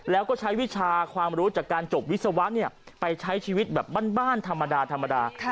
แล้วก็ใช้วิชาความรู้จากการจบวิศวะไปใช้ชีวิตแบบบ้านธรรมดาธรรมดา